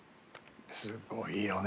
すごいよね。